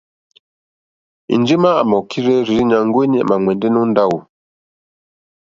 Enjema à mà okirzɛ rzii nyàŋgo wèni à mò ɛ̀ndɛ̀nɛ̀ o ndawò.